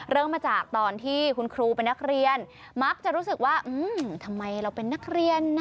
เริ่มมาจากตอนที่คุณครูเป็นนักเรียนมักจะรู้สึกว่าทำไมเราเป็นนักเรียนนะ